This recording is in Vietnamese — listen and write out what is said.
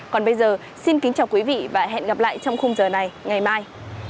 còn bây giờ xin kính chào quý vị và hẹn gặp lại trong khung giờ này ngày mai